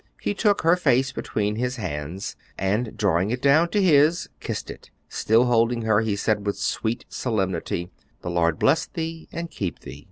He took her face between his hands, and drawing it down to his, kissed it. Still holding her, he said with sweet solemnity, "'The Lord bless thee and keep thee.